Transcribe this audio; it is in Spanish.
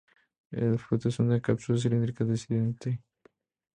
El fruto es una cápsula cilíndrica dehiscente.